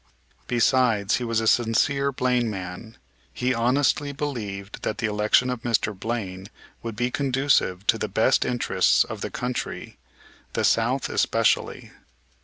Besides, he was a sincere Blaine man. He honestly believed that the election of Mr. Blaine would be conducive to the best interests of the country, the South especially.